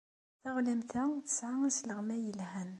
Taɣlamt-a tesɛa asleɣmay yelhan.